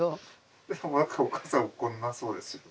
でも何かお母さん怒らなそうですよね。